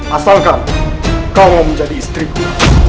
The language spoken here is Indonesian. asalkan kau menjadi istriku